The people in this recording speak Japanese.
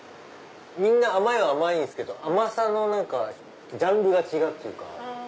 みんな甘いは甘いんすけど甘さのジャンルが違うっていうか。